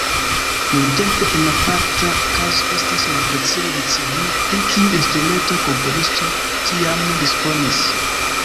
Nuntempe en aparta kazo estas malfacile decidi, pri kiu instrumento komponisto tiam disponis.